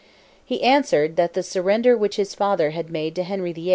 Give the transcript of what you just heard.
He answered, "that the surrender which his father had made to Henry VIII.